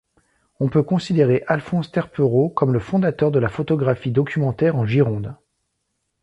On peut considérer Alphonse Terpereau comme le fondateur de la photographie documentaire en Gironde.